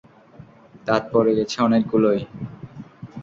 দাঁত পড়ে গেছে অনেকগুলোই।